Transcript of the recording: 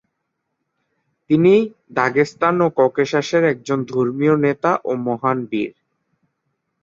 তিনি দাগেস্তান ও ককেশাসের একজন ধর্মীয় নেতা ও মহান বীর।